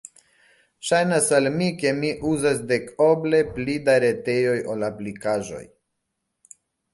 Ŝajnas al mi, ke mi uzas dekoble pli da retejoj ol aplikaĵoj.